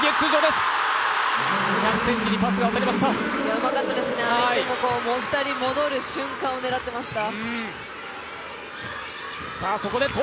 うまかったですね、相手も２人が戻る瞬間を狙っていました。